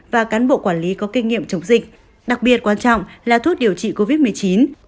và cán bộ quản lý có kinh nghiệm chống dịch đặc biệt quan trọng là thuốc điều trị covid một mươi chín